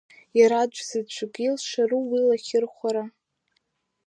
Иараӡәзаҵәык илшару уи лахьырхәра?